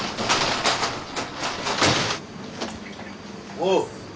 おう。